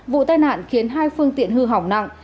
vụ tai nạn khiến hai phương tiện hư hỏng nặng